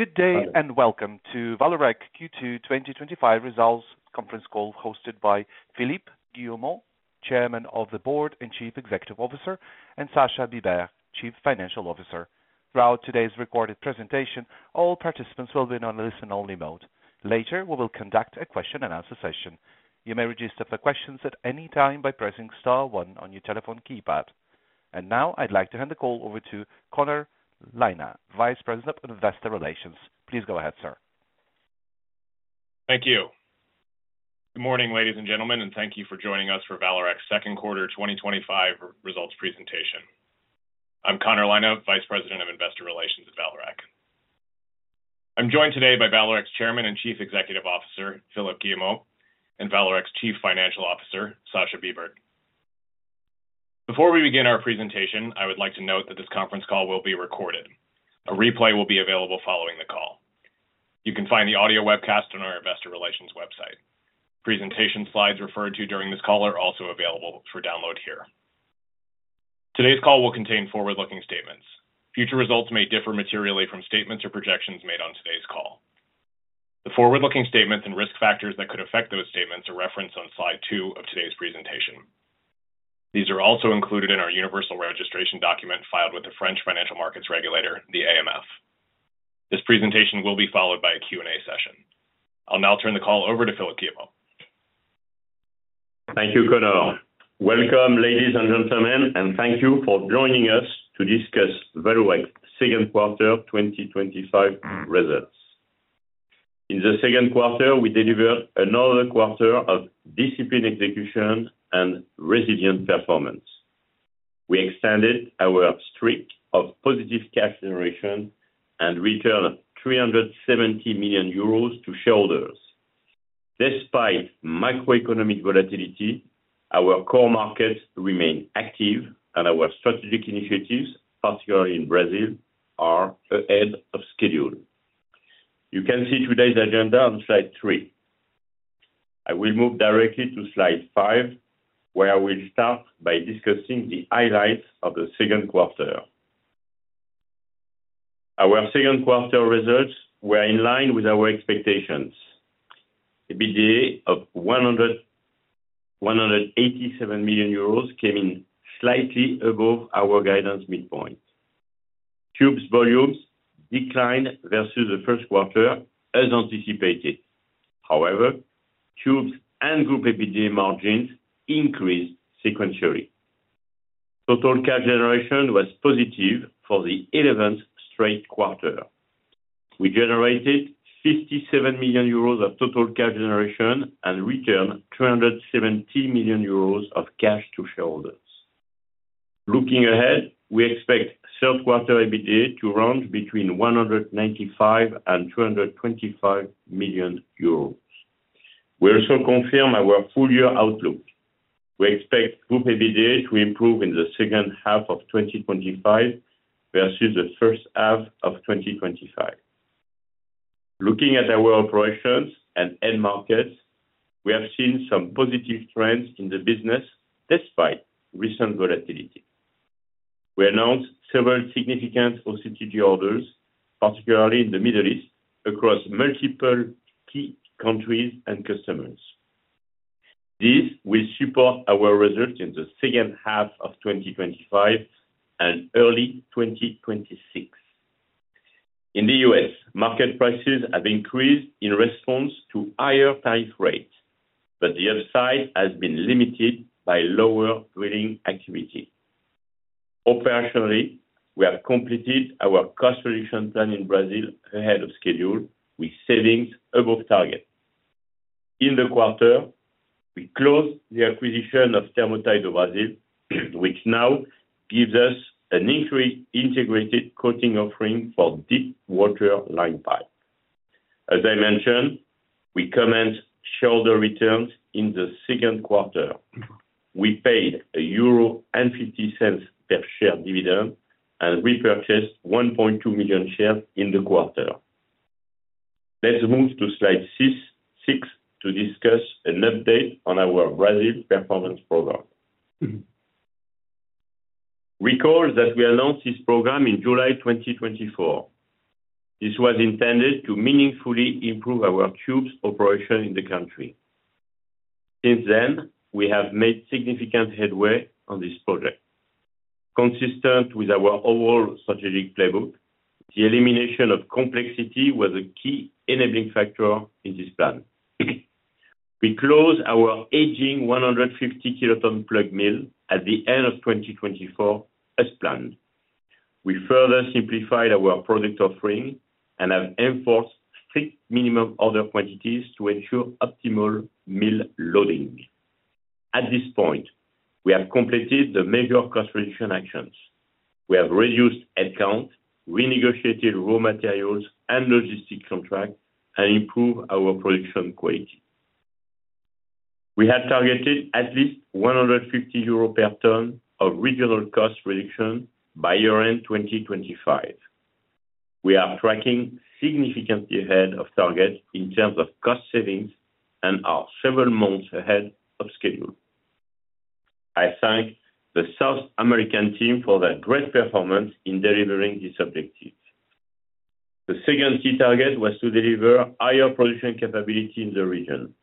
Good day, and welcome to Valorac q two twenty twenty five results conference call hosted by Philippe Guillermo, chairman of the board and chief executive officer, and Sasha Biber, Chief Financial Officer. Throughout today's recorded presentation, all participants will be in a listen only mode. Later, we will conduct a question and answer session. And now I'd like to hand the call over to Please go ahead, sir. Thank you. Good morning, ladies and gentlemen, and thank you for joining us for Valorac's second quarter twenty twenty five results presentation. I'm Conor Linov, Vice President of Investor Relations at Valorac. I'm joined today by Valorac's Chairman and Chief Executive Officer, Philip Guillemot and Valorac's Chief Financial Officer, Sacha Biebert. Before we begin our presentation, I would like to note that this conference call will be recorded. A replay will be available following the call. You can find the audio webcast on our Investor Relations website. Presentation slides referred to during this call are also available for download here. Today's call will contain forward looking statements. Future results may differ materially from statements or projections made on today's call. The forward looking statements and risk factors that could affect those statements are referenced on slide two of today's presentation. These are also included in our universal registration document filed with the French financial markets regulator, the AMF. This presentation will be followed by a Q and A session. I'll now turn the call over to Philippe Guillemot. Thank you, Conor. Welcome, ladies and gentlemen, and thank you for joining us to discuss Valuet's second quarter twenty twenty five results. In the second quarter, we delivered another quarter of disciplined execution and resilient performance. We extended our streak of positive cash generation and returned €370,000,000 to shareholders. Despite macroeconomic volatility, our core markets remain active and our strategic initiatives, particularly in Brazil, are ahead of schedule. You can see today's agenda on slide three. I will move directly to slide five, where I will start by discussing the highlights of the second quarter. Our second quarter results were in line with our expectations. EBITDA of €187,000,000 came in slightly above our guidance midpoint. Tubes volumes declined versus the first quarter as anticipated. However, Tubes and Group EBITDA margins increased sequentially. Total cash generation was positive for the eleventh straight quarter. We generated €57,000,000 of total cash generation and returned €270,000,000 of cash to shareholders. Looking ahead, we expect third quarter EBITDA to run between €195,000,000 and €225,000,000 We also confirm our full year outlook. We expect group EBITDA to improve in the 2025 versus the first half of twenty twenty five. Looking at our operations and end markets, we have seen some positive trends in the business despite recent volatility. We announced several significant OCTG orders, particularly in The Middle East, across multiple key countries and customers. This will support our results in the 2025 and early twenty twenty six. In The US, market prices have increased in response to higher tariff rates, but the upside has been limited by lower drilling activity. Operationally, we have completed our cost reduction plan in Brazil ahead of schedule with savings above target. In the quarter, we closed the acquisition of Thermotide Oases, which now gives us an increased integrated coating offering for deepwater line pipe. As I mentioned, we commenced shareholder returns in the second quarter. We paid a 1.5 per share dividend and repurchased 1,200,000.0 shares in the quarter. Let's move to slide six to discuss an update on our RADEV Performance Program. Recall that we announced this program in July 2024. This was intended to meaningfully improve our tubes operation Since then, we have made significant headway on this project. Consistent with our overall strategic playbook, the elimination of complexity was a key enabling factor in this plan. We closed our aging 150 kiloton plug mill at the 2024 as planned. We further simplified our product offering and have enforced strict minimum order quantities to ensure optimal mill loading. At this point, we have completed the major cost reduction actions. We have reduced headcount, renegotiated raw materials and logistics contract, and improved our production quality. We had targeted at least €150 per tonne of regional cost reduction by year end 2025. We are tracking significantly ahead of target in terms of cost savings and are several months ahead of schedule. I thank the South American team for their great performance in delivering these objectives. The second key target was to deliver higher production capability in the region.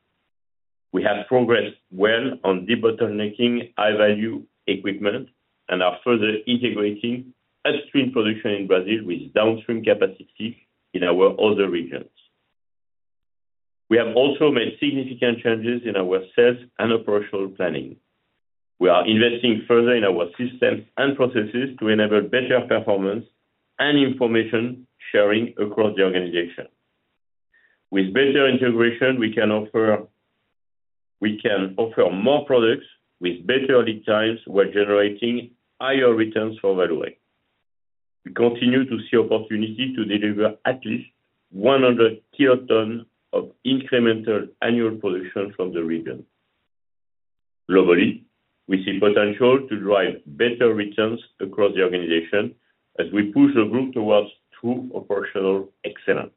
We have progressed well on debottlenecking high value equipment and are further integrating Upstream production in Brazil with Downstream capacity in our other regions. We have also made significant changes in our sales and operational planning. We are investing further in our systems and processes to enable better performance and information sharing across the organization. With better integration, we can offer more products with better lead times while generating higher returns for value. We continue to see opportunity to deliver at least 100 kilotonnes of incremental annual production from the region. Globally, we see potential to drive better returns across the organization as we push the group towards true operational excellence.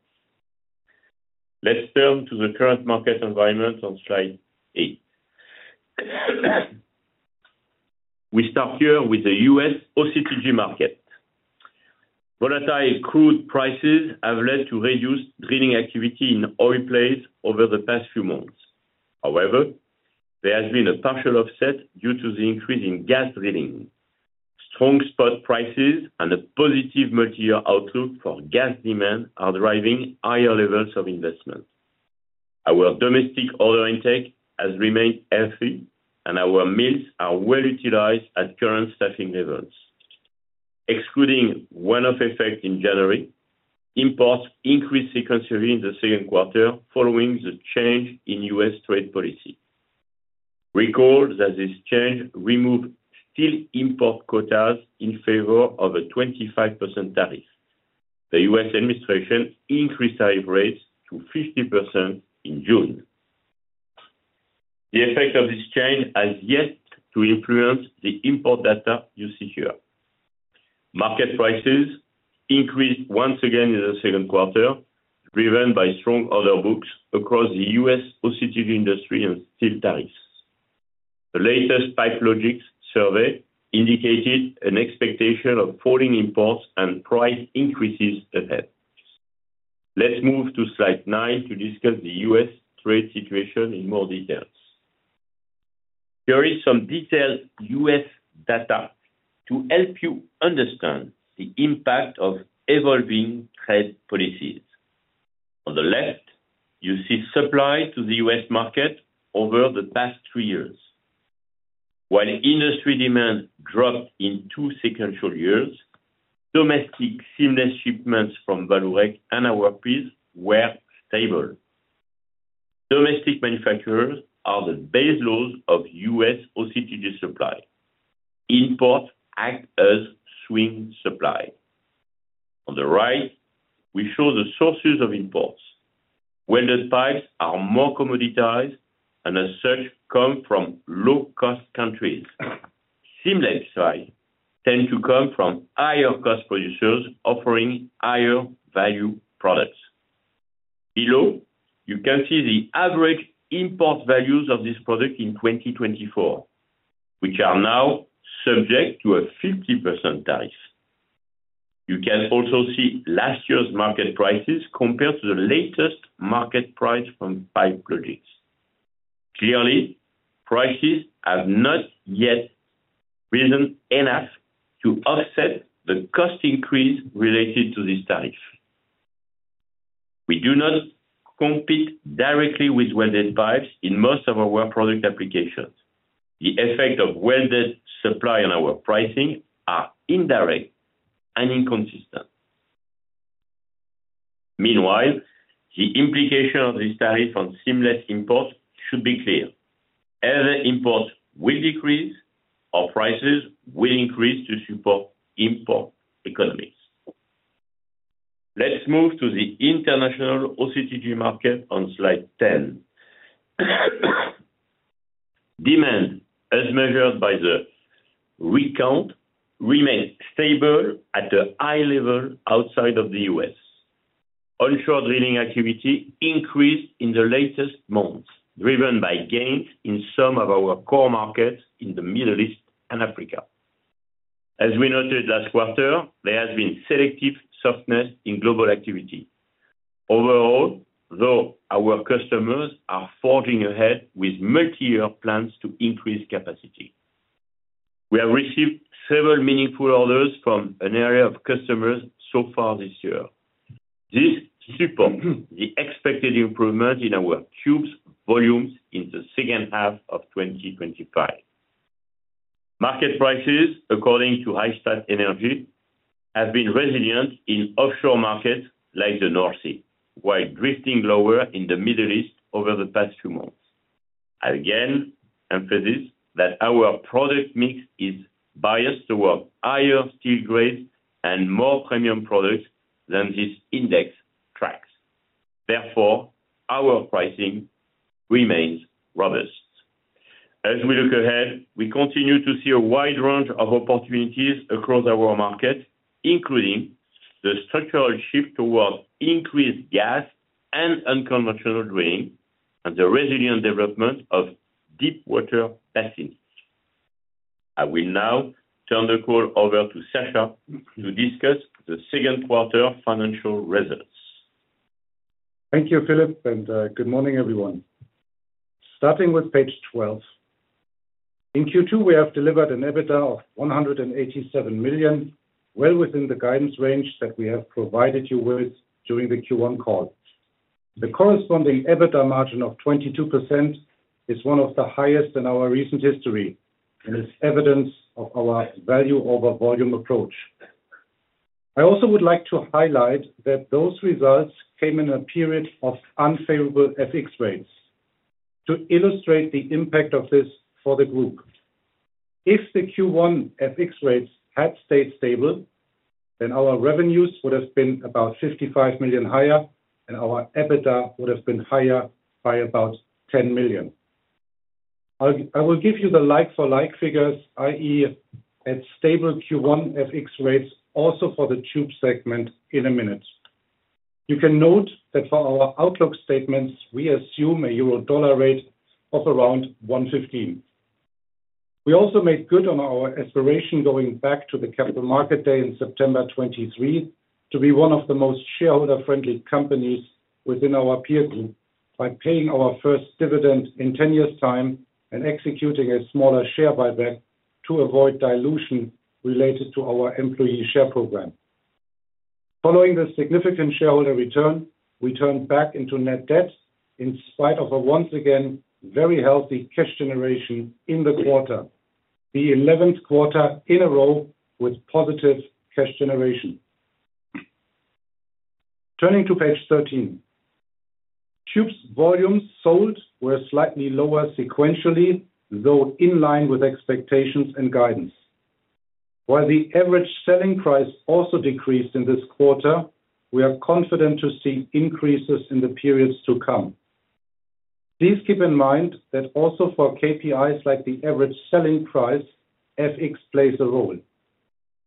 Let's turn to the current market environment on slide eight. We start here with The U. S. OCTG market. Volatile crude prices have led to reduced drilling activity in oil plays over the past few months. However, there has been a partial offset due to the increase in gas drilling, Strong spot prices and a positive multiyear outlook for gas demand are driving higher levels of investment. Our domestic order intake has remained healthy and our mills are well utilized at current staffing levels. Excluding one off effect in January, imports increased sequentially in the second quarter following the change in U. S. Trade policy. Recall that this change removed steel import quotas in favor of a 25 tariff. The US administration increased tariff rates to 50% in June. The effect of this change has yet to influence the import data you see here. Market prices increased once again in the second quarter, driven by strong order books across The U. S. Positive industry and steel tariffs. The latest Pipe Logix survey indicated an expectation of falling imports and price increases ahead. Let's move to slide nine to discuss The U. S. Trade situation in more details. Here is some detailed US data to help you understand the impact of evolving trade policies. On the left, you see supply to The US market over the past three years. While industry demand dropped in two sequential years, domestic seamless shipments from Valorac and our peers were stable. Domestic manufacturers are the baseloads of US OCTG supply. Imports act as swing supply. On the right, we show the sources of imports. Welded pipes are more commoditized and as such come from low cost countries. Simulink size tend to come from higher cost producers offering higher value products. Below, you can see the average import values of this product in 2024, which are now subject to a 50% tariff. You can also see last year's market prices compared to the latest market price from Pipe Logits. Clearly, prices have not yet risen enough to offset the cost increase related to this tariff. We do not compete directly with welded pipes in most of our product applications. The effect of welded supply on our pricing are indirect and inconsistent. Meanwhile, the implication of this tariff on seamless imports should be clear: as imports will decrease, our prices will increase to support import economics. Let's move to the International OCTG market on slide 10. Demand, as measured by the rig count, remained stable at a high level outside of The U. S. Onshore Drilling activity increased in the latest months, driven by gains in some of our core markets in The Middle East and Africa. As we noted last quarter, there has been selective softness in global activity. Overall, though our customers are forging ahead with multi year plans to increase capacity. We have received several meaningful orders from an area of customers so far this year. This supports the expected improvement in our cubes volumes in the second half of twenty twenty five. Market prices, according to Highstat Energy, have been resilient in offshore markets like the North Sea, while drifting lower in The Middle East over the past few months. I again emphasize that our product mix is biased towards higher steel grades and more premium products than this index tracks. Therefore, our pricing remains robust. As we look ahead, we continue to see a wide range of opportunities across our markets, including the structural shift towards increased gas and unconventional drain and the resilient development of deepwater passengers. I will now turn the call over to Sacha to discuss the second quarter financial results. Thank you, Filip, and good morning, everyone. Starting with Page 12. In Q2, we have delivered an EBITDA of €187,000,000 well within the guidance range that we have provided you with during the Q1 call. The corresponding EBITDA margin of 22% is one of the highest in our recent history and is evidence of our value over volume approach. I also would like to highlight that those results came in a period of unfavorable FX rates to illustrate the impact of this for the group. If the Q1 FX rates had stayed stable, then our revenues would have been about $55,000,000 higher and our EBITDA would have been higher by about $10,000,000 I will give you the like for like figures, I. E. At stable Q1 FX rates also for the tube segment in a minute. You can note that for our outlook statements, we assume a euro dollar rate of around $1.15 We also made good on our aspiration going back to the Capital Market Day in September 23 to be one of the most shareholder friendly companies within our peer group by paying our first dividend in ten years' time and executing a smaller share buyback to avoid dilution related to our employee share program. Following the significant shareholder return, we turned back into net debt in spite of a once again very healthy cash generation in the quarter, the eleventh quarter in a row with positive cash generation. Turning to page 13. Tubes volumes sold were slightly lower sequentially, though in line with expectations and guidance. While the average selling price also decreased in this quarter, we are confident to see increases in the periods to come. Please keep in mind that also for KPIs like the average selling price, FX plays a role.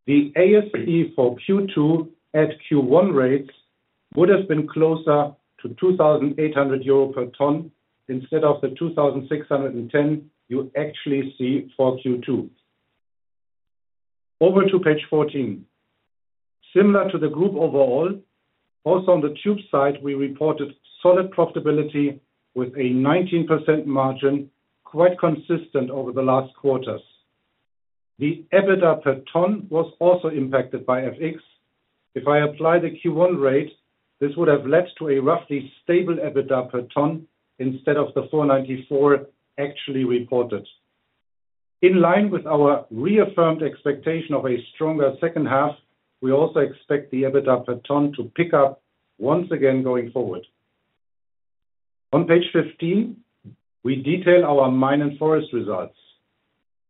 The ASP for Q2 at Q1 rates would have been closer to €2,800 per ton instead of the €2,610 you actually see for Q2. Over to page 14. Similar to the group overall, also on the tube side, we reported solid profitability with a 19% margin, quite consistent over the last quarters. The EBITDA per ton was also impacted by FX. If I apply the Q1 rate, this would have led to a roughly stable EBITDA per ton instead of the four ninety four actually reported. In line with our reaffirmed expectation of a stronger second half, we also expect the EBITDA per ton to pick up once again going forward. On Page 15, we detail our mine and forest results.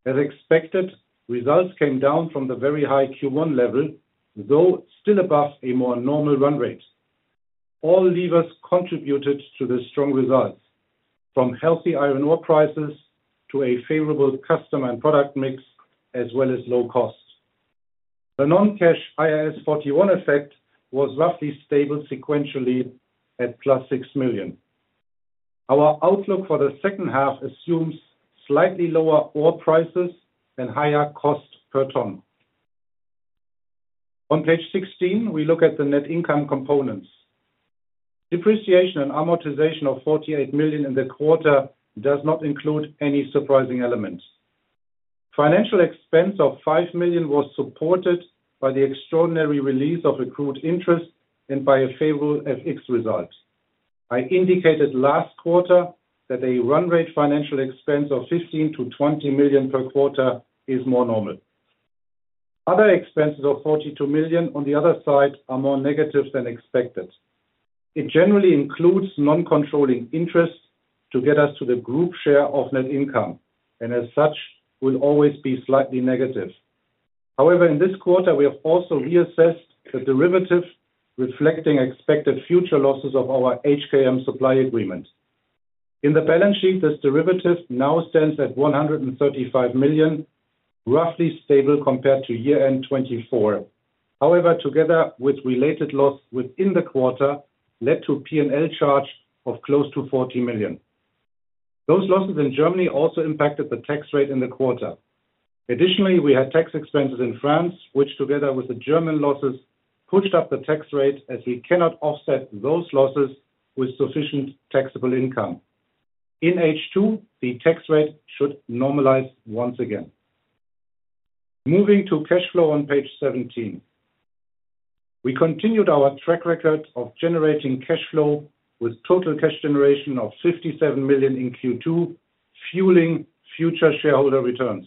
As expected, results came down from the very high Q1 level, though still above a more normal run rate. All levers contributed to the strong results, from healthy iron ore prices to a favorable customer and product mix as well as low costs. The non cash IAS 41 effect was roughly stable sequentially at plus $6,000,000 Our outlook for the second half assumes slightly lower ore prices and higher cost per ton. On Page 16, we look at the net income components. Depreciation and amortization of $48,000,000 in the quarter does not include any surprising elements. Financial expense of $5,000,000 was supported by the extraordinary release of accrued interest and by a favorable FX result. I indicated last quarter that a run rate financial expense of 15,000,000 to $20,000,000 per quarter is more normal. Other expenses of $42,000,000 on the other side are more negative than expected. It generally includes non controlling interest to get us to the group share of net income, and as such, will always be slightly negative. However, in this quarter, we have also reassessed the derivative reflecting expected future losses of our HKM supply agreement. In the balance sheet, this derivative now stands at €135,000,000 roughly stable compared to year end 2024. However, together with related loss within the quarter led to a P and L charge of close to €40,000,000 Those losses in Germany also impacted the tax rate in the quarter. Additionally, we had tax expenses in France, which together with the German losses pushed up the tax rate as we cannot offset those losses with sufficient taxable income. In H2, the tax rate should normalize once again. Moving to cash flow on page 17. We continued our track record of generating cash flow with total cash generation of €57,000,000 in Q2, fueling future shareholder returns.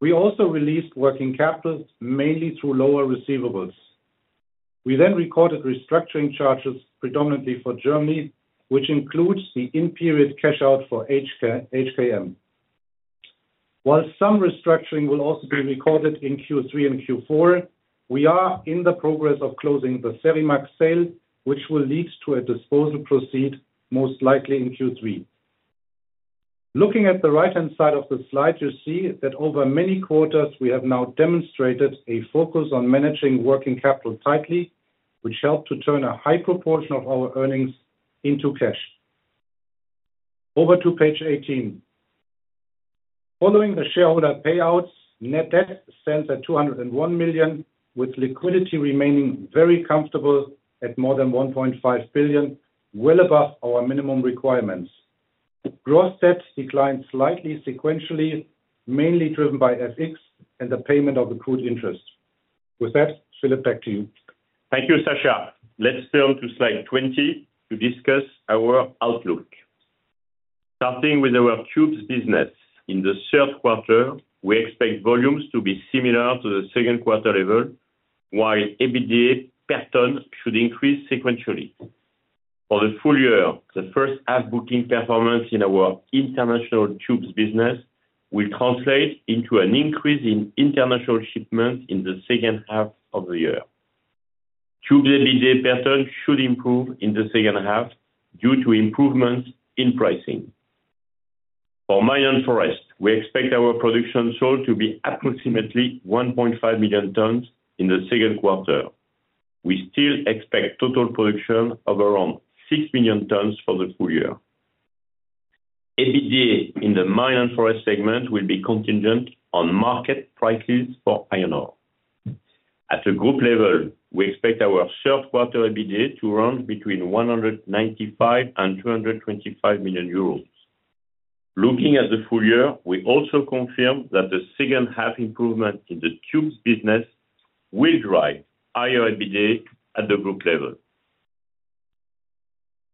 We also released working capital mainly through lower receivables. We then recorded restructuring charges predominantly for Germany, which includes the in period cash out for HKM. While some restructuring will also be recorded in Q3 and Q4, we are in the progress of closing the SEMIMAX sale, which will lead to a disposal proceed most likely in Q3. Looking at the right hand side of the slide, you see that over many quarters, we have now demonstrated a focus on managing working capital tightly, which helped to turn a high proportion of our earnings into cash. Over to Page 18. Following the shareholder payouts, net debt stands at $2.00 €1,000,000 with liquidity remaining very comfortable at more than 1,500,000,000 well above our minimum requirements. Gross debt declined slightly sequentially, mainly driven by FX and the payment of accrued interest. With that, Philippe, back to you. Thank you, Sacha. Let's turn to slide 20 to discuss our outlook. Starting with our Tubes business, in the third quarter, we expect volumes to be similar to the second quarter level, while EBITDA per ton should increase sequentially. For the full year, the first half booking performance in our International Tubes business will translate into an increase in International shipments in the second half of the year. Tubes EBITDA per ton should improve in the second half due to improvements in pricing. For Mayan Forest, we expect our production sold to be approximately 1,500,000 tons in the second quarter. We still expect total production of around 6,000,000 tons for the full year. EBITDA in the Mine and Forest segment will be contingent on market prices for iron ore. At a group level, we expect our third quarter EBITDA to run between €195,000,000 and €225,000,000 Looking at the full year, we also confirm that the second half improvement in the Tubes business will drive higher EBITDA at the group level.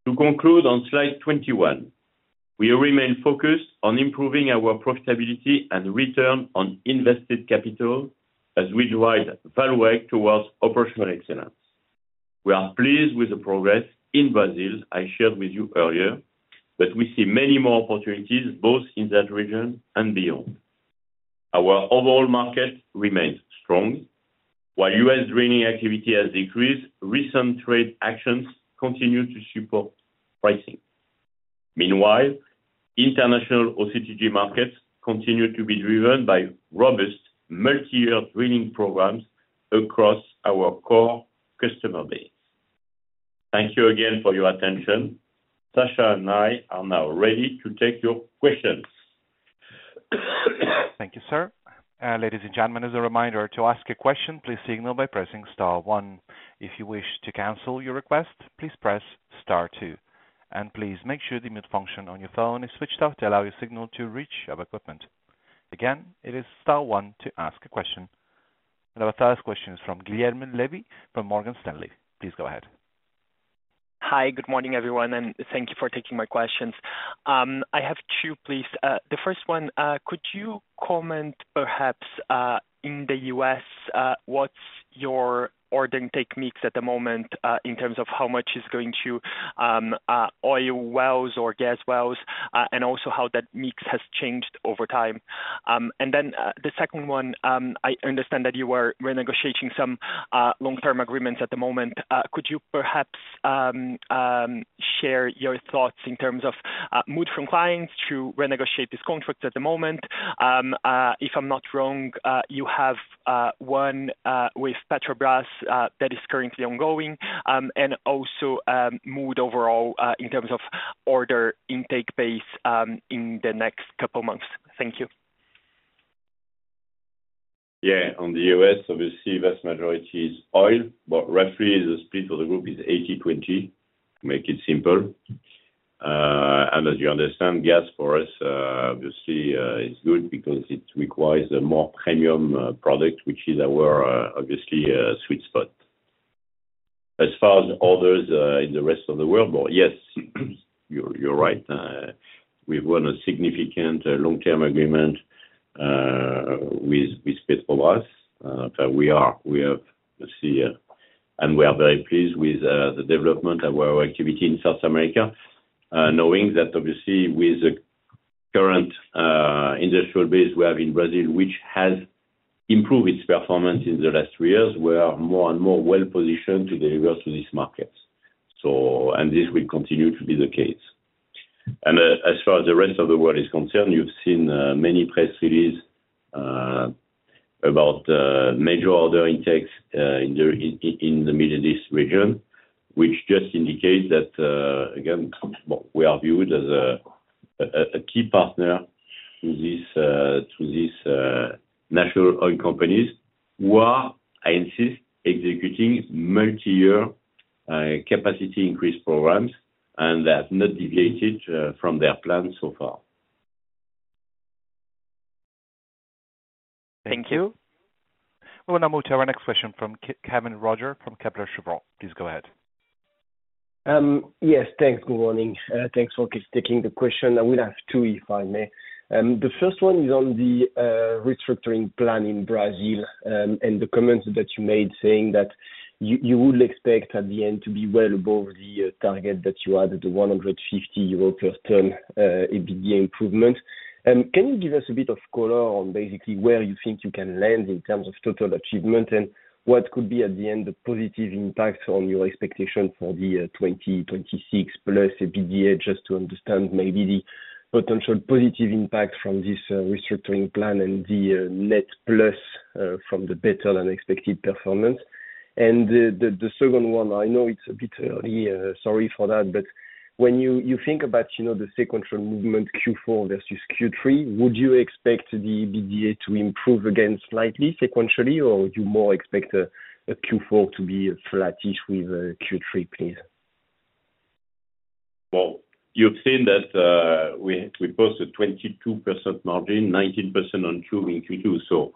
To conclude on slide 21, we remain focused on improving our profitability and return on invested capital as we drive value add towards operational excellence. We are pleased with the progress in Brazil I shared with you earlier, but we see many more opportunities both in that region and beyond. Our overall market remains strong. While US drilling activity has decreased, recent trade actions continue to support pricing. Meanwhile, international OCTG markets continue to be driven by robust multi year drilling programs across our core customer base. Thank you again for your attention. Sasha and I are now ready to take your questions. Thank you, sir. And our first question is from Glierme Levy from Morgan Stanley. Please go ahead. Hi, good morning everyone and thank you for taking my questions. I have two, please. The first one, could you comment perhaps in The U. S, what's your order intake mix at the moment in terms of how much is going to oil wells or gas wells and also how that mix has changed over time? And then the second one, I understand that you were renegotiating some long term agreements at the moment. Could you perhaps share your thoughts in terms of mood from clients to renegotiate these contracts at the moment? If I'm not wrong, you have one with Petrobras that is currently ongoing and also mood overall in terms of order intake base in the next couple of months. Thank you. Yes. On The U. S, obviously, vast majority is oil, but roughly the split of the group is eighty-twenty, to make it simple. And as you understand, gas for us, obviously, is good because it requires a more premium product, which is our, obviously, sweet spot. As far as others in the rest of the world, yes, you're right. We won a significant long term agreement with Petrobras. We are we have to see and we are very pleased with the development of our activity in South America, knowing that obviously with the current industrial base we have in Brazil, which has improved its performance in the last three years, we are more and more well positioned to deliver to these markets. And this will continue to be the case. And as far as the rest of the world is concerned, you've seen many press releases about major order intakes in the Middle East region, which just indicate that, again, we are viewed as a key partner to this to this national oil companies who are, I insist, executing multi year capacity increase programs and that's not deviated from their plans so far. Thank you. We will now move to our next question from Kevin Roger from Kepler Cheuvreux. Please go ahead. Yes, thanks. Good morning. Thanks for taking the question. I will ask two, if I may. The first one is on the restructuring plan in Brazil and the comments that you made saying that you would expect at the end to be well above the target that you added to 150 euro per ton EBITDA improvement. Can you give us a bit of color on basically where you think you can land in terms of total achievement? And what could be at the end the positive impact on your expectation for the 2026 plus EBITDA, just to understand maybe the potential positive impact from this restructuring plan and the net plus from the better than expected performance? And the second one, know it's a bit early, sorry for that, but when you think about the sequential movement Q4 versus Q3, would you expect the EBITDA to improve again slightly sequentially? Or would you more expect Q4 to be flattish with Q3, please? Well, you've seen that we posted 22% margin, 19% on Q2. So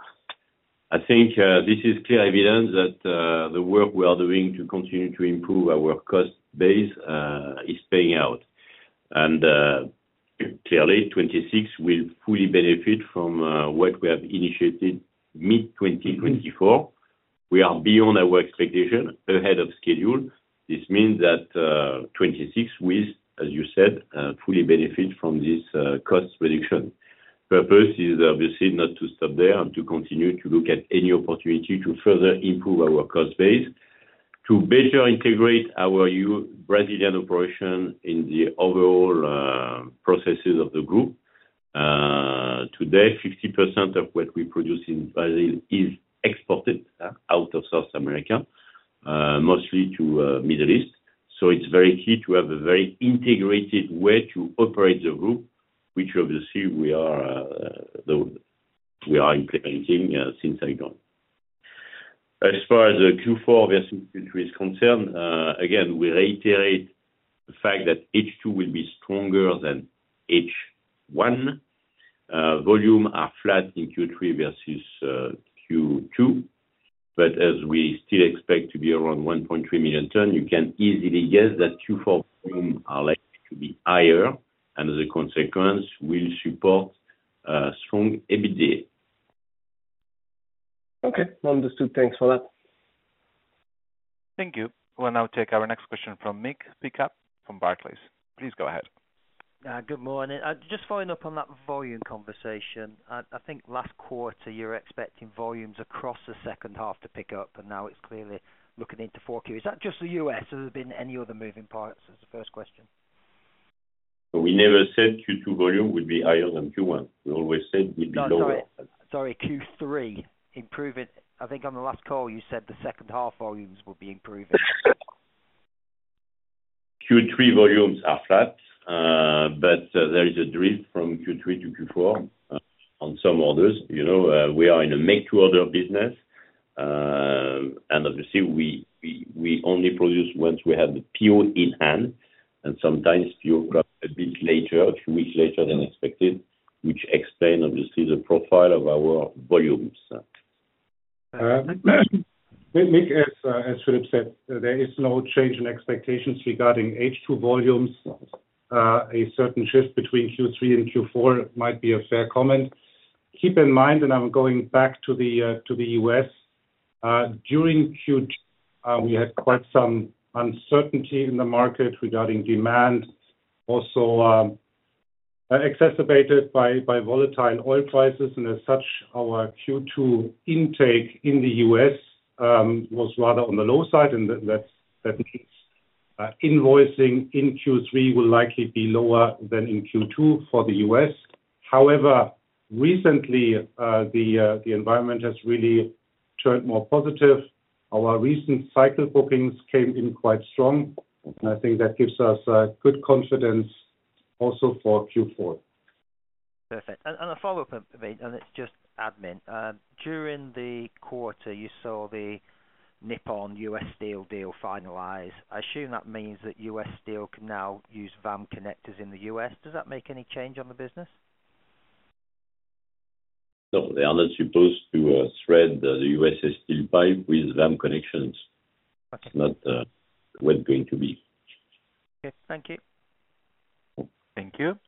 I think this is clear evidence that the work we are doing to continue to improve our cost base is paying out. And clearly, 2026 will fully benefit from what we have initiated mid-twenty twenty four. We are beyond our expectation, ahead of schedule. This means that '26 will, as you said, fully benefit from this cost reduction. The purpose is obviously not to stop there and to continue to look at any opportunity to further improve our cost base to better integrate our Brazilian operation in the overall processes of the group. Today, 50% of what we produce in Brazil is exported out of South America, mostly to Middle East. So it's very key to have a very integrated way to operate the group, which obviously we are implementing since I joined. As far as Q4 versus Q3 is concerned, again, we reiterate the fact that H2 will be stronger than H1. Volume are flat in Q3 versus Q2. But as we still expect to be around 1,300,000 tons, you can easily guess that Q4 volumes are likely to be higher and as a consequence, we'll support strong EBITDA. Okay. Understood. Thanks for that. Thank you. We'll now take our next question from Mick Pickup from Barclays. Please go ahead. Good morning. Just following up on that volume conversation. I think last quarter, you were expecting volumes across the second half to pick up, now it's clearly looking into 4Q. Is that just The U. S? Has there been any other moving parts? That's the first question. We never said Q2 volume would be higher than Q1. We always said it would be Sorry, Q3 improving I think on the last call, you said the second half volumes will be improving. Q3 volumes are flat, but there is a drift from Q3 to Q4 on some orders. We are in a make to order business. And obviously, we only produce once we have the PO in hand and sometimes PO a bit later, a few weeks later than expected, which explain obviously the profile of our volumes. Nick, as Philippe said, there is no change in expectations regarding H2 volumes. A certain shift between Q3 and Q4 might be a fair comment. Keep in mind, and I'm going back to The U. S, during Q2, had quite some uncertainty in the market regarding demand, also exacerbated by volatile oil prices and as such our Q2 intake in The U. S. Was rather on the low side and that invoicing in Q3 will likely be lower than in Q2 for The U. S. However, recently the environment has really turned more positive. Our recent cycle bookings came in quite strong, and I think that gives us good confidence also for Q4. Perfect. And a follow-up, I mean, and it's just admin. During the quarter, you saw the Nippon U. S. Steel deal finalized. I assume that means that U. S. Steel can now use VAM connectors in The U. S. Does that make any change on the business? No. They are not supposed to thread The U. S. ST pipe with WAM connections. It's not what it's going to be. Okay. Thank you. Thank you.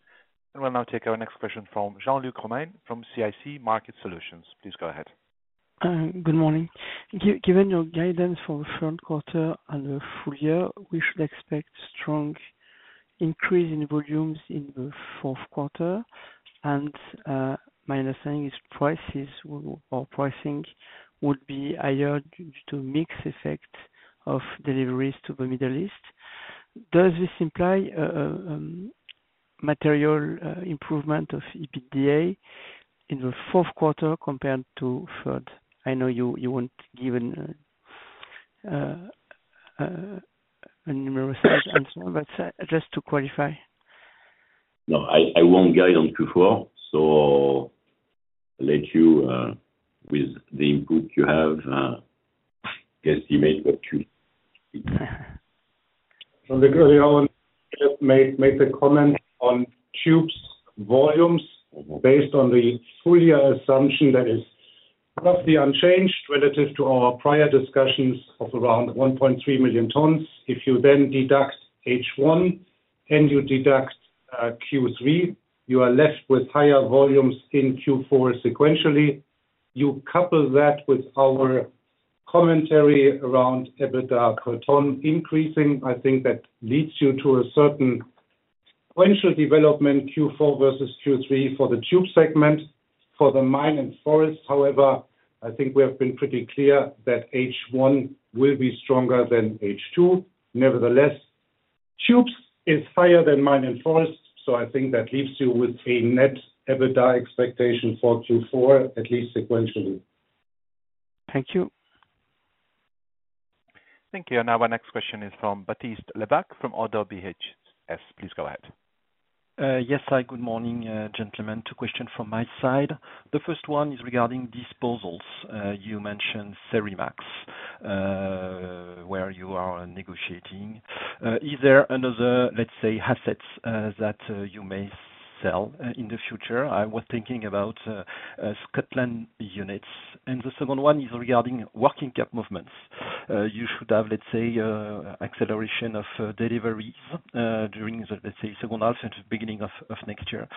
And we'll now take our next question from Jean Luc Romain from CIC Market Solutions. Please go ahead. Good morning. Given your guidance for the third quarter and the full year, we should expect strong increase in volumes in the fourth quarter. And my understanding is prices or pricing would be higher due to mix effect of deliveries to The Middle East. Does this imply material improvement of EBITDA in the fourth quarter compared to third? I know you won't give a numerous answer, but just to qualify. No. I I won't guide on q four, so I'll let you, with the input you have, guesstimate. So the make make the comment on tubes volumes based on the full year assumption that is roughly unchanged relative to our prior discussions of around 1,300,000 tons. If you then deduct H1 and you deduct Q3, you are left with higher volumes in Q4 sequentially. You couple that with our commentary around EBITDA per tonne increasing. I think that leads you to a certain sequential development Q4 versus Q3 for the tube segment. For the mine and forest, however, I think we have been pretty clear that H1 will be stronger than H2. Nevertheless, tubes is higher than mine and forest, so I think that leaves you with a net EBITDA expectation for Q4, at least sequentially. Thank you. Thank you. And our next question is from Batiste Lebak from ODDO BH. Please go ahead. Yes. Hi. Good morning, gentlemen. Two questions from my side. The first one is regarding disposals. You mentioned Ceremaxx where you are negotiating. Is there another, let's say, assets that you may sell in the future? I was thinking about Scotland units. And the second one is regarding working cap movements. You should have, let's say, acceleration of deliveries during, let's say, second half and beginning of next year.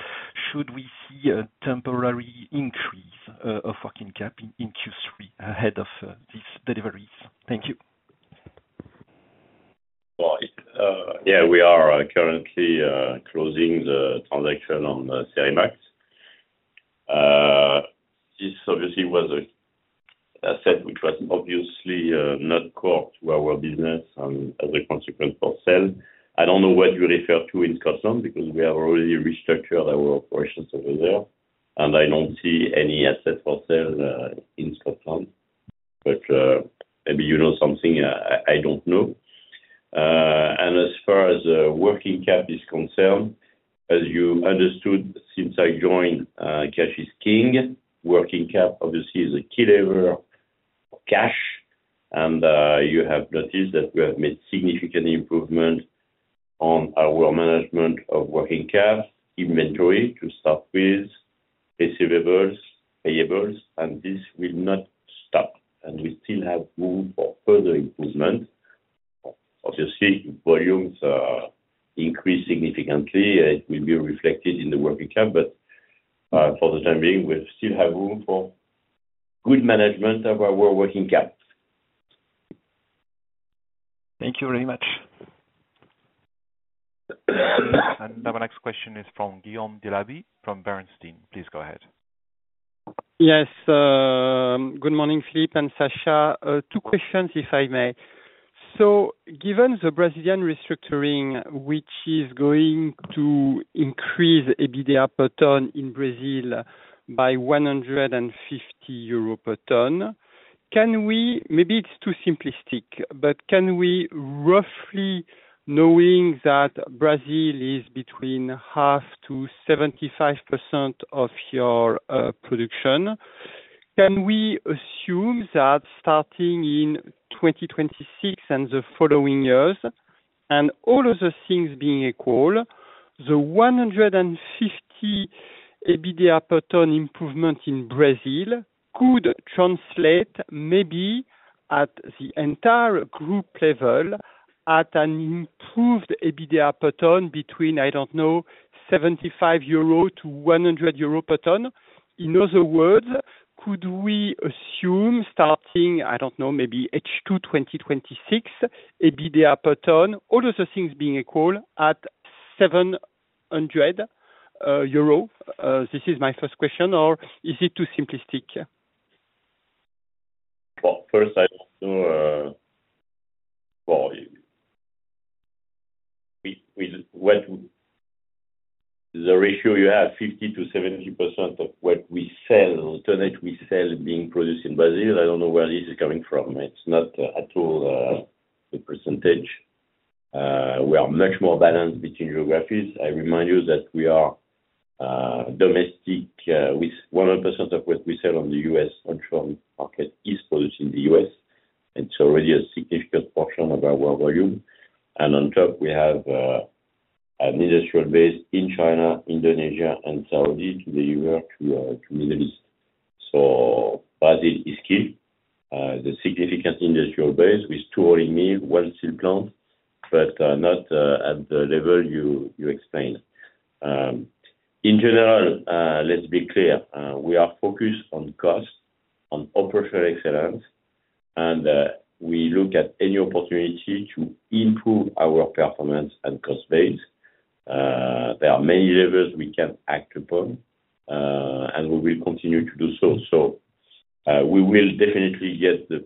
Should we see a temporary increase of working cap in Q3 ahead of these deliveries? Thank you. Yes, we are currently closing the transaction on Cerimax. This obviously was asset which was obviously not core to our business as a consequence for sale. I don't know what you referred to in Scotland because we have already restructured our operations over there, and I don't see any asset for sale in Scotland. But maybe you know something, I don't know. And as far as working cap is concerned, as you understood, since I joined, cash is king. Working cap, obviously, is a key lever of cash, and you have noticed that we have made significant improvement on our management of working cap inventory to start with, receivables, payables, and this will not stop. And we still have room for further improvement. Obviously, volumes increase significantly. It will be reflected in the working cap, but for the time being, we still have room for good management of our working cap. Thank you very much. And our next question is from Guillaume Delaby from Bernstein. Please go ahead. Yes. Good morning, Philippe and Sacha. Two questions, if I may. So given the Brazilian restructuring, which is going to increase EBITDA per ton in Brazil by 150 euro per ton. Can we maybe it's too simplistic, but can we roughly knowing that Brazil is between half to 75% of your production. Can we assume that starting in 2026 and the following years and all other things being equal, the 150 EBITDA per ton improvement in Brazil could translate maybe at the entire group level at an improved EBITDA per ton between, I don't know, 75 euro to 100 euro per ton? In other words, could we assume starting, I don't know, maybe H2 twenty twenty six EBITDA per ton, all those things being equal, at EUR €700? This is my first question. Or is it too simplistic? Well, first, I don't know. We we went the ratio you have, 50% to 70% of what we sell, the tonnage we sell being produced in Brazil, I don't know where this is coming from. It's not at all a percentage. We are much more balanced between geographies. I remind you that we are domestic with 100% of what we sell on The US onshore market is produced in The US. It's already a significant portion of our volume. And on top, we have an industrial base in China, Indonesia, and Saudi to The US to to Middle East. So that is key. The significant industrial base with two oil in me, well silk plant, but not at the level you you explained. In general, let's be clear. We are focused on cost, on operational excellence, and we look at any opportunity to improve our performance and cost base. There are many levers we can act upon, and we will continue to do so. So we will definitely get the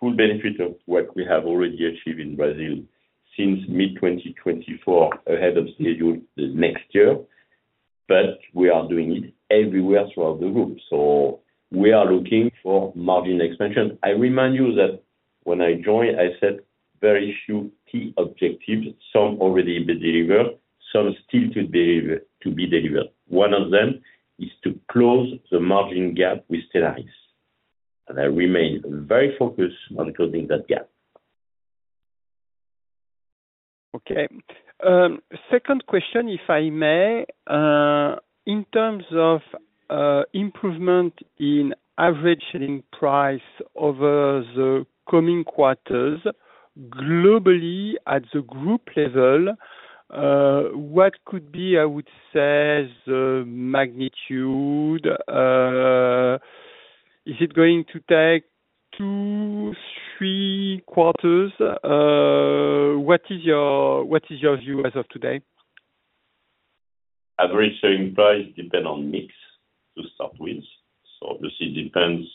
full benefit of what we have already achieved in Brazil since mid twenty twenty four ahead of schedule next year, but we are doing it everywhere throughout the group. So we are looking for margin expansion. I remind you that when I joined, I set very few key objectives, some already been delivered, some still to be delivered. One of them is to close the margin gap with Stellaris, And I remain very focused on closing that gap. Okay. Second question, if I may. In terms of improvement in average selling price over the coming quarters, globally at the group level, what could be, I would say, magnitude? Is it going to take two, three quarters? What is your view as of today? Average selling price depend on mix to start with. So, obviously, it depends,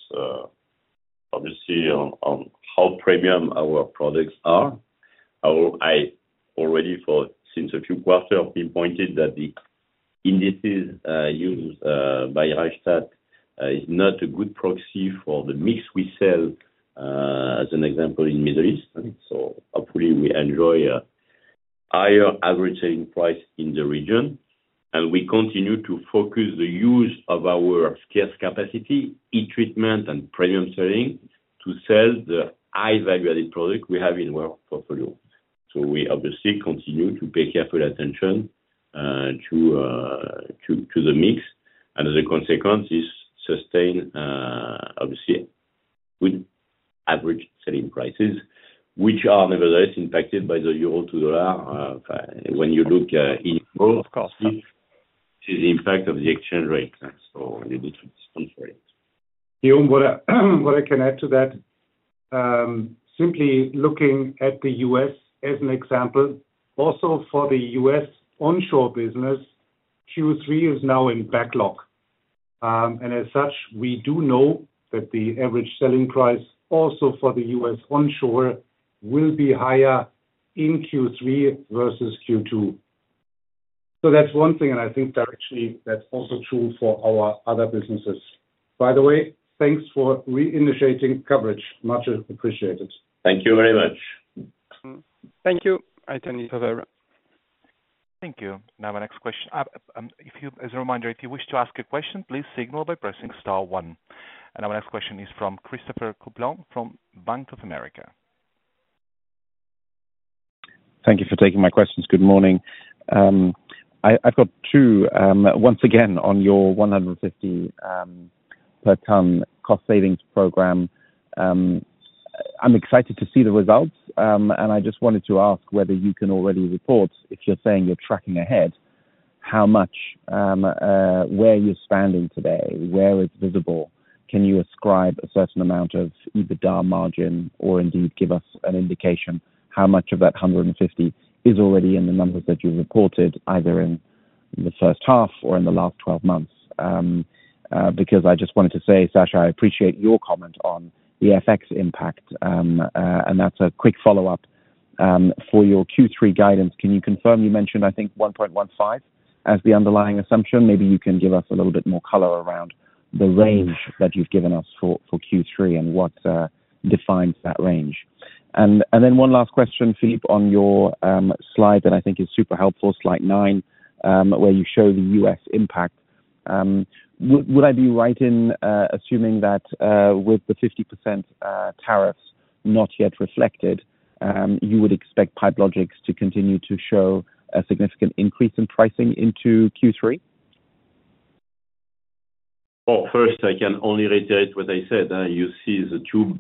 obviously, on on how premium our products are. I already thought since a few quarters, we pointed that the indices used by Raichstadt is not a good proxy for the mix we sell, as an example, in Middle East. So hopefully, we enjoy a higher average selling price in the region. And we continue to focus the use of our scarce capacity, e treatment and premium selling to sell the high value added product we have in our portfolio. So we obviously continue to pay careful attention to the mix. And as a consequence, this sustained, obviously, good average selling prices, which are nevertheless impacted by the euro to dollar. You look in both the impact of the exchange rate. Guillaume, what I can add to that, simply looking at The U. S. As an example, also for The U. S. Onshore business, Q3 is now in backlog. And as such, we do know that the average selling price also for The US onshore will be higher in Q3 versus Q2. So that's one thing, and I think that actually that's also true for our other businesses. By the way, thanks for reinitiating coverage. Much appreciated. Thank you very much. Thank you. Thank you. Now our next question if you as a reminder, if you wish to ask a question, please signal by pressing star one. And our next question is from Christopher Coupland from Bank of America. Thank you for taking my questions. Good morning. I've got two. Once again, on your 150 per ton cost savings program, I'm excited to see the results. And I just wanted to ask whether you can already report if you're saying you're tracking ahead. How much where you're standing today? Where is visible? Can you ascribe a certain amount of EBITDA margin or indeed give us an indication how much of that 150,000,000 is already in the numbers that you reported either in the first half or in the last twelve months? Because I just wanted to say, Sascha, I appreciate your comment on the FX impact. And that's a quick follow-up. For your Q3 guidance, can you confirm you mentioned, I think, point one five as the underlying assumption. Maybe you can give us a little bit more color around the range that you've given us for Q3 and what defines that range? And then one last question, Philippe, on your slide that I think is super helpful, Slide nine, where you show The U. S. Impact. Would I be right in assuming that with the 50% tariffs not yet reflected, you would expect Pipe Logix to continue to show a significant increase in pricing into Q3? Well, first, I can only reiterate what I said. You see the tube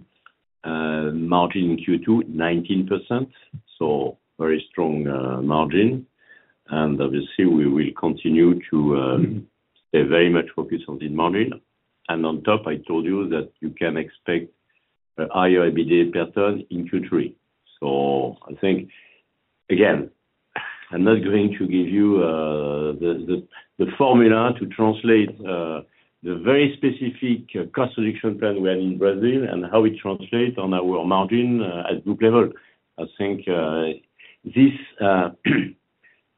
margin in q two, nineteen percent, so very strong margin. And obviously, we will continue to stay very much focused on the margin. And on top, I told you that you can expect a higher EBITDA per ton in Q3. So I think, again, I'm not going to give you the formula to translate the very specific cost reduction plan we have in Brazil and how it translates on our margin at group level. I think this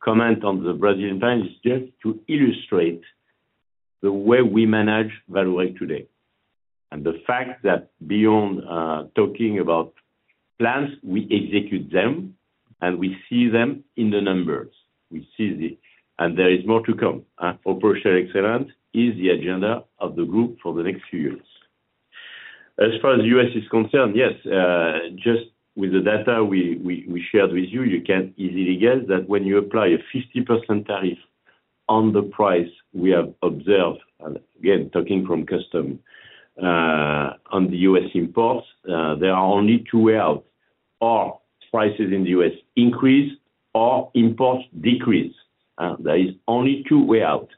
comment on the Brazilian plan is just to illustrate the way we manage value add today. And the fact that beyond talking about plans, we execute them and we see them in the numbers. We see the and there is more to come. Operational excellence is the agenda of the group for the next few years. As far as U. S. Is concerned, yes, just with the data we shared with you, you can easily guess that when you apply a 50% tariff on the price we have observed, And again, talking from custom on The US imports, there are only two way out. All prices in The US increase or imports decrease. There is only two way out.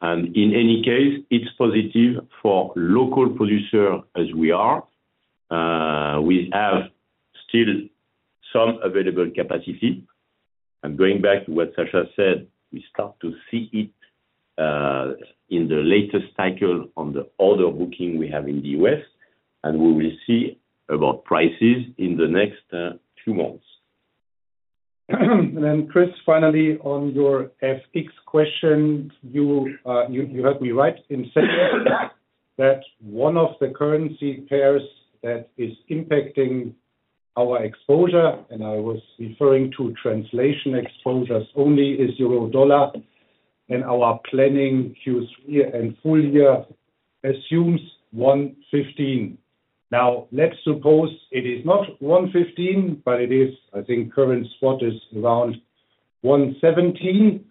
And in any case, it's positive for local producer as we are. We have still some available capacity. And going back to what Sacha said, we start to see it in the latest cycle on the order booking we have in The U. S, and we will see about prices in the next few months. And then, Chris, finally, on your FX question, you heard me right in saying that one of the currency pairs that is impacting our exposure, and I was referring to translation exposures only, is euro dollar, and our planning Q3 and full year assumes 1.15. Now, let's suppose it is not 1.15, but it is, I think current spot is around 117,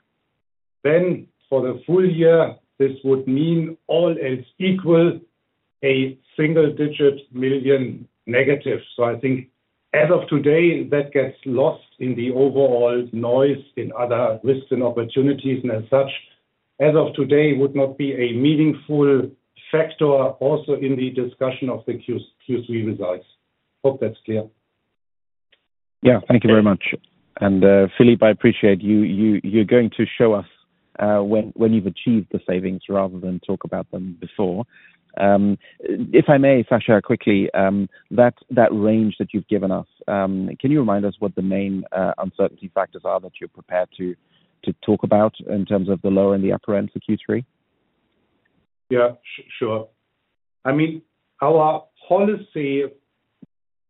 then for the full year this would mean all else equal a single digit million negative. So, I think as of today that gets lost in the overall noise in other risks and opportunities and as such as of today would not be a meaningful factor also in the discussion of the Q3 results. Hope that's clear. Yeah. Thank you And very Philippe, I appreciate you're going to show us when you've achieved the savings rather than talk about them before. If I may, Sascha, quickly, that range that you've given us, can you remind us what the main uncertainty factors are that you're prepared to talk about in terms of the lower and the upper end for Q3? Yeah, sure. I mean, our policy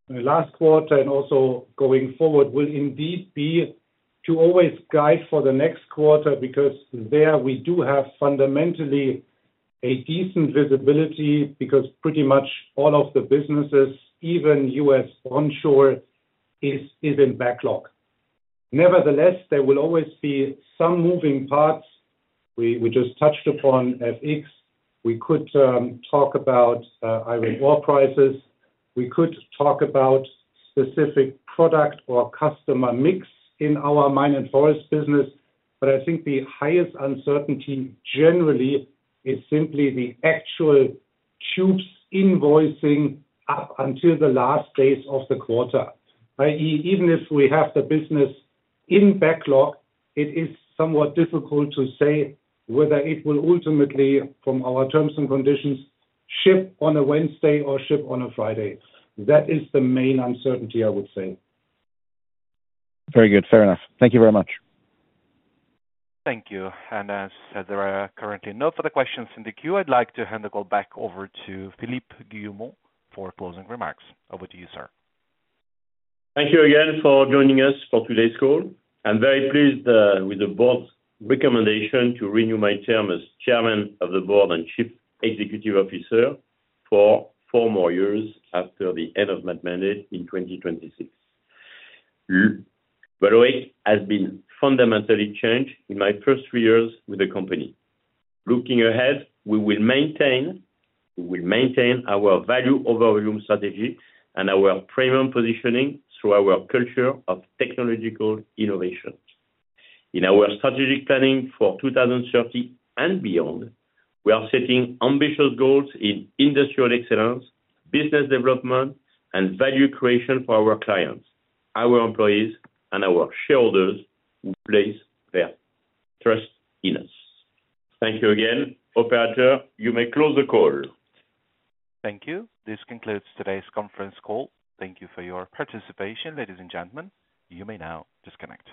last quarter and also going forward will indeed be to always guide for the next quarter because there we do have fundamentally a decent visibility because pretty much all of the businesses, even US onshore, is in backlog. Nevertheless, there will always be some moving parts. We just touched upon FX. We could talk about iron ore prices. We could talk about specific product or customer mix in our mine and forest business. But I think the highest uncertainty generally is simply the actual tubes invoicing up until the last days of the quarter, I. E. Even if we have the business in backlog, it is somewhat difficult to say whether it will ultimately, from our terms and conditions, ship on a Wednesday or ship on a Friday. That is the main uncertainty, I would say. Very good. Fair enough. Thank you very much. Thank you. And as said, there are currently no further questions in the queue. I'd like to hand the call back over to Philippe Guillemot for closing remarks. Over to you, sir. Thank you again for joining us for today's call. I'm very pleased, with the Board's recommendation to renew my term as Chairman of the Board and Chief Executive Officer for four more years after the end of that mandate in 2026. But ROIC has been fundamentally changed in my first three years with the company. Looking ahead, we our will value over volume strategy and our premium positioning through our culture of technological innovations. In our strategic planning for 2030 and beyond, we are setting ambitious goals in industrial excellence, business development and value creation for our clients, our employees and our shareholders who place their trust in us. Thank you again. Operator, you may close the call. Thank you. This concludes today's conference call. Thank you for your participation, ladies and gentlemen. You may now disconnect.